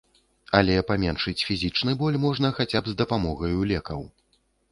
Але паменшыць фізічны боль можна хаця б з дапамогаю лекаў.